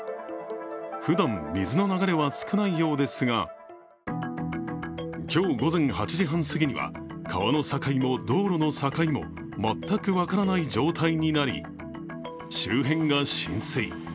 ふだん、水の流れは少ないようですが今日午前８時半過ぎには川の境も道路の境も全く分からない状態になり、周辺が浸水。